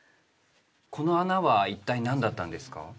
この穴は一体何だったんですか？